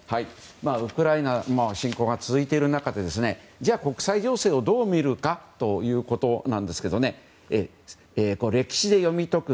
ウクライナ侵攻が続いている中でじゃあ、国際情勢をどう見るかということですが「歴史で読み解く！